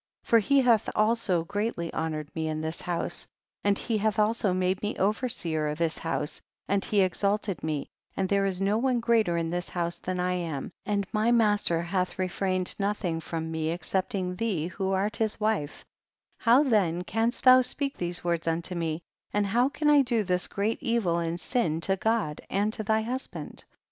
For he hath also greatly ho nored me in his house, and he hath also made me overseer over his house, and he hath exalted me, and there is no one greater in this house than I am, and my master hath refrained nothing from me, excepting thee who art his wife, how then canst thou speak these words unto me, and how can I do this great evil and sin to God and to thy husband